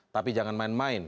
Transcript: tapi jangan main main